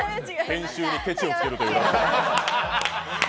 編集にケチをつけるという。